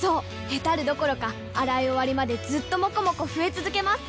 ヘタるどころか洗い終わりまでずっともこもこ増え続けます！